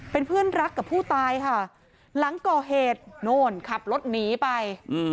เป็นเพื่อนรักกับผู้ตายค่ะหลังก่อเหตุโน่นขับรถหนีไป